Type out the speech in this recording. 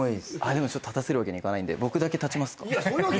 でも立たせるわけにいかないんで僕だけ立ちますか。